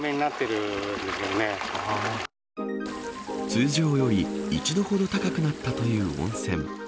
通常より１度ほど高くなったという温泉。